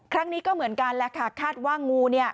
ครั้งนี้ก็เหมือนกันแหละค่ะคาดว่างูเนี่ย